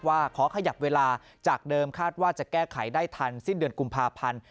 ขอขยับเวลาจากเดิมคาดว่าจะแก้ไขได้ทันสิ้นเดือนกุมภาพันธ์